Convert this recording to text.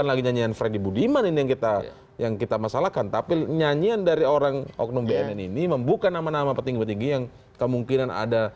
bukan lagi nyanyian freddy budiman ini yang kita masalahkan tapi nyanyian dari orang oknum bnn ini memang bukan nama nama yang penting penting yang kemungkinan ada